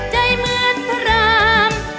เหมือนพระราม